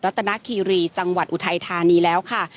ตนาคีรีจังหวัดอุทัยธานีแล้วค่ะ